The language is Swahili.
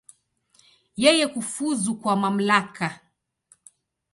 Yeye kufuzu kwa mamlaka.